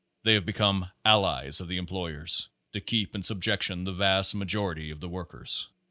They have become allies of the employers to keep in subjection the vast majority of the workers.